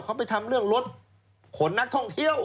เขาไปทำเรื่องรถขนนักท่องเที่ยว